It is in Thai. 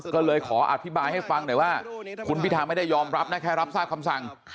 ก็เลยขออธิบายให้ฟังหน่อยว่าคุณพิธาไม่ได้ยอมรับนะแค่รับทราบคำสั่ง